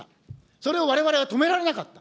それをわれわれは止められなかった。